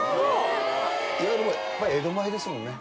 いわゆるまあ江戸前ですもんね。